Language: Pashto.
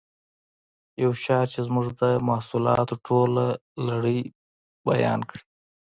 یو شعار چې زموږ د محصولاتو ټوله لړۍ بیان کړي